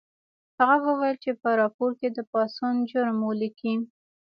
هغه وویل چې په راپور کې د پاڅون جرم ولیکئ